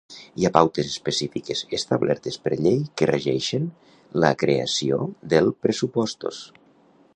Hi ha pautes específiques establertes per llei que regeixen la creació del pressupostos.